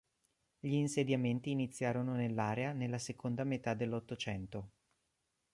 Gli insediamenti iniziarono nell'area nella seconda metà dell'Ottocento.